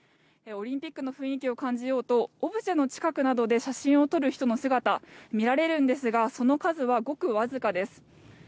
オリンピックの雰囲気を感じようとオブジェの近くなどで写真を撮る人の姿見られるんですがその数はごくわずかです。